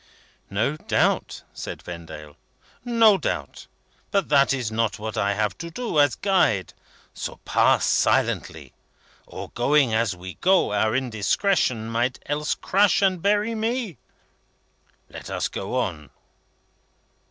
"No doubt," said Vendale. "No doubt. But that is not what I have to do, as Guide. So pass silently. Or, going as we go, our indiscretion might else crush and bury me. Let us get on!"